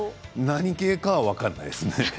何系かは分からないですね。